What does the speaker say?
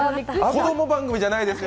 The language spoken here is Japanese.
子供番組じゃないですよ。